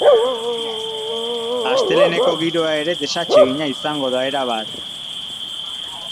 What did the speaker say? Asteleheneko giroa ere desatsegina izango da erabat.